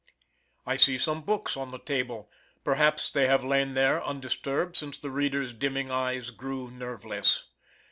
I see some books on the table; perhaps they have lain there undisturbed since the reader's dimming eyes grew nerveless.